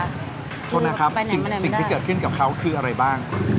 โทษนะครับสิ่งที่เกิดขึ้นกับเขาคืออะไรบ้าง